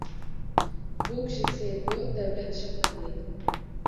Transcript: Bûk ji sêrgo dewlet ji Xwedê